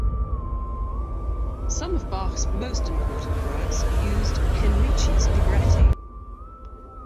Some of Bach's most important works used Henrici's libretti.